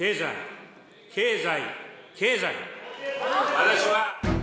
私は。